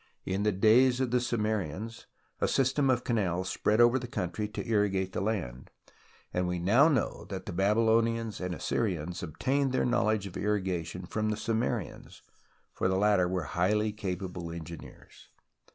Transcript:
In the days of the Sumerians a system of canals spread over the country to irrigate the land, and we now know that the Babylonians and Assyrians obtained their knowledge of irrigation from the Sumerians, for the latter were highly capable engineers.